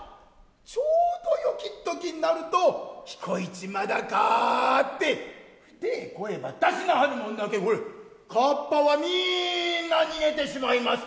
ちょうどよき時になると彦市まだかて太ェ声ば出しなはるもんだけんほれかっぱはみんな逃げてしまいますたい。